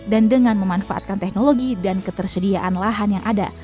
dan dengan memanfaatkan teknologi dan ketersediaan lahan yang ada